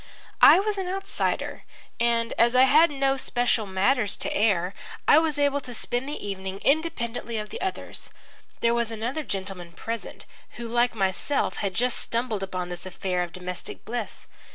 I was an outsider, and, as I had no special matters to air, I was able to spend the evening independently of the others. There was another gentleman present who like myself had just stumbled upon this affair of domestic bliss.